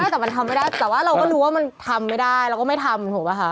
แต่มันทำไม่ได้แต่ว่าเราก็รู้ว่ามันทำไม่ได้เราก็ไม่ทำถูกป่ะคะ